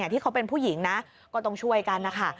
ที่เขาเป็นผู้หญิงนะก็ต้องช่วยกันนะคะ